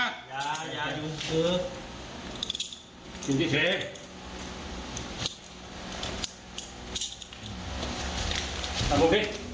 ผมจำนวนให้พระนางพี่ว่าจะใช้แบบนี้ได้เลย